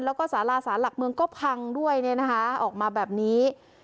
แล้วก็สาราสารหลักเมืองก็พังด้วยออกมาแบบนี้